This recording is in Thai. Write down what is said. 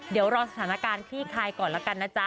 เดี๋ยวรอสถานการณ์คลี่คลายก่อนแล้วกันนะจ๊ะ